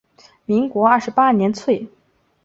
民国二十八年卒。